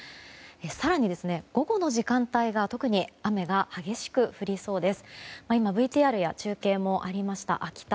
更に、午後の時間帯が特に雨が激しく降りそうです。